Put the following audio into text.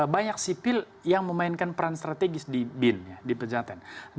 banyak sipil yang memainkan peran strategis di bin di pejahatan